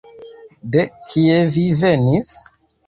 De kie vi venis?